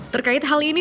terkait hal ini